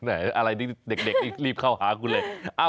อะไรเด็กรีบเข้าหาคุณเลย